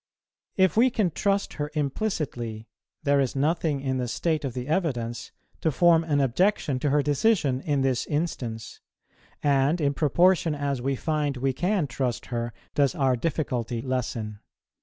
If we can trust her implicitly, there is nothing in the state of the evidence to form an objection to her decision in this instance, and in proportion as we find we can trust her does our difficulty lessen.